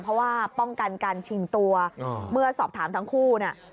เพราะว่าป้องกันการชิงตัวเมื่อสอบถามทั้งคู่เนี่ย